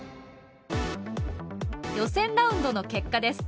予選ラウンドの結果です。